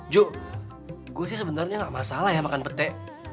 ju gue sih sebenernya ga masalah ya makan petai